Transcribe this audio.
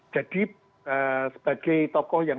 jadi sebagai tokoh yang